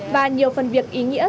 và nhiều phần việc ý nghĩa